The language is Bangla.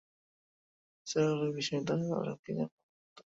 নিসার আলি বিস্মিত হয়ে বললেন, কী জন্যে বলুন তো?